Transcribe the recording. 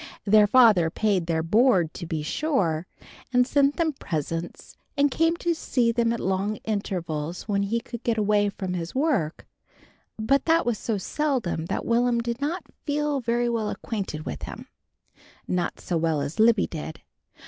Their father paid their board, to be sure, and sent them presents and came to see them at long intervals when he could get away from his work, but that was so seldom that Will'm did not feel very well acquainted with him; not so well as Libby did.